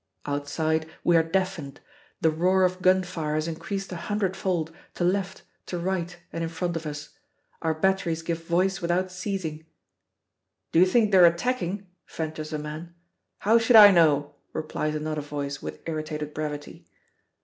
Outside we are deafened. The roar of gunfire has increased a hundredfold, to left, to right, and in front of us. Our batteries give voice without ceasing. "Do you think they're attacking?" ventures a man. "How should I know?" replies another voice with irritated brevity.